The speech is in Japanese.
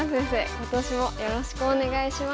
今年もよろしくお願いします。